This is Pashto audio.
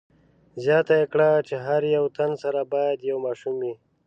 زیاته یې کړه چې هر یو تن سره باید یو ماشوم وي.